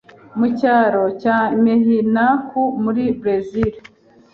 Mu cyaro cya Mehinaku muri Brezili,